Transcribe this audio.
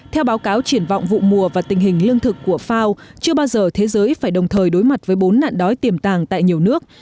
theo báo cáo triển vọng vụ mùa và tình hình lương thực của fao chưa bao giờ thế giới phải đồng thời đối mặt với bốn nạn đói tiềm tàng tại nhiều nước